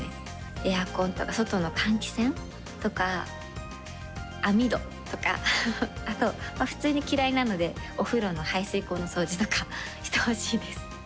エアコンとか外の換気扇とか、網戸とか、普通に嫌いなので、お風呂の排水口の掃除とかしてほしいです。